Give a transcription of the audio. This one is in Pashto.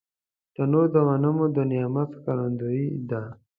تنور د غنمو د نعمت ښکارندوی دی